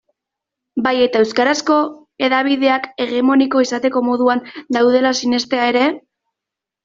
Bai eta euskarazko hedabideak hegemoniko izateko moduan daudela sinestea ere?